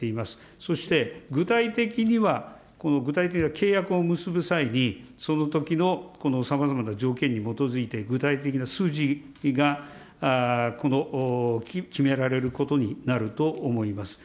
そして具体的には、具体的な契約を結ぶ際に、そのときのさまざまな条件に基づいて、具体的な数字が決められることになると思います。